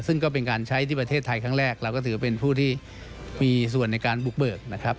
ซึ่งก็เป็นการใช้ที่ประเทศไทยครั้งแรกเราก็ถือเป็นผู้ที่มีส่วนในการบุกเบิกนะครับ